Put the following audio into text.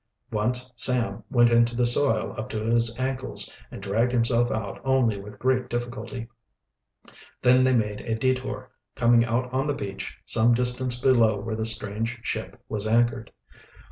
Once Sam went into the soil up to his ankles, and dragged himself out only with great difficulty. Then they made a detour, coming out on the beach some distance below where the strange ship was anchored.